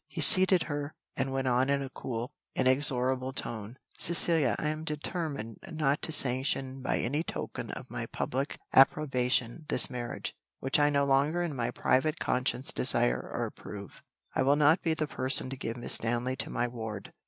He seated her, and went on in a cool, inexorable tone, "Cecilia, I am determined not to sanction by any token of my public approbation this marriage, which I no longer in my private conscience desire or approve; I will not be the person to give Miss Stanley to my ward."